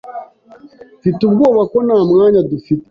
Mfite ubwoba ko nta mwanya dufite.